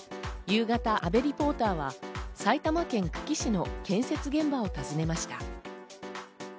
夕方、阿部リポーターは埼玉県久喜市の建設現場を訪ねました。